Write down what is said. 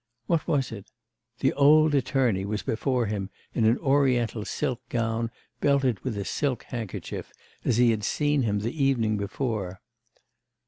What was it? the old attorney was before him in an Oriental silk gown belted with a silk handkerchief, as he had seen him the evening before....